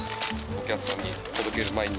お客さんに届ける前に。